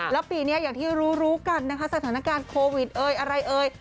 แล้วปีนี้อย่างที่รู้รู้กันนะคะสถานการณ์โควิดเอ่ยอะไรเอ่ย